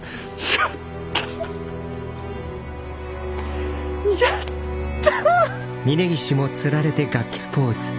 やったやった！